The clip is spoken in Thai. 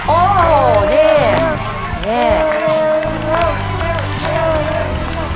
โอ้วดี